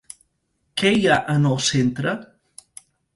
Què hi ha en el centre?